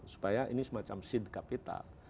supaya ini semacam seed capital